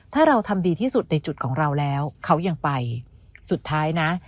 ถ้าเราทำดีที่สุดในจุดของเราแล้วเขายังไปสุดท้ายนะ